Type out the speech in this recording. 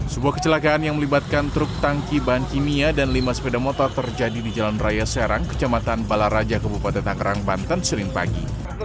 sebuah kecelakaan yang melibatkan truk tangki bahan kimia dan lima sepeda motor terjadi di jalan raya serang kecamatan balaraja kebupaten tangerang banten senin pagi